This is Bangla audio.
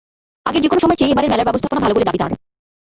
আগের যেকোনো সময়ের চেয়ে এবারের মেলার ব্যবস্থাপনা ভালো বলে দাবি তাঁর।